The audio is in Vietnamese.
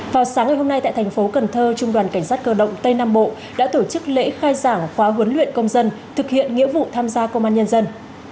vào sáng ngày hôm nay tại thành phố cần thơ trung đoàn cảnh sát cơ động tây nam bộ đã tổ chức lễ khai giảng khóa huấn luyện công dân thực hiện nghĩa vụ tham gia công an nhân dân